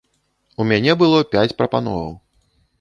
У мяне было пяць прапановаў.